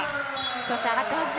調子上がってますね。